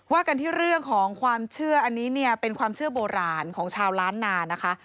ว่ากันที่เรื่องของความเชื่ออันนี้เนี่ยเป็นความเชื่อโบราณของชาวล้านนานะคะ